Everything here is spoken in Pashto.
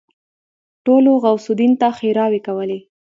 ټولو غوث الدين ته ښېراوې کولې.